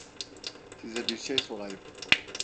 Size bir şey sorayım.